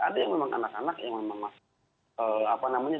ada yang memang anak anak yang memang apa namanya